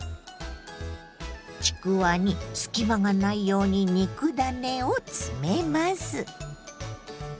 ちくわに隙間がないように肉ダネを詰めます。